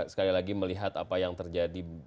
sekali lagi melihat apa yang terjadi